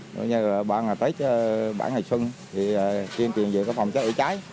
như ba ngày tết bảy ngày xuân truyền truyền về phòng cháy ở trái